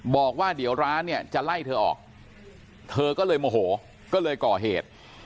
บอกว่าเดี๋ยวร้านเนี่ยจะไล่เธอออกเธอก็เลยโมโหก็เลยก่อเหตุ